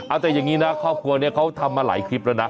เอาแต่อย่างนี้นะครอบครัวนี้เขาทำมาหลายคลิปแล้วนะ